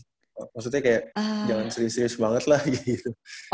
maksudnya kayak jangan serius serius banget lah gitu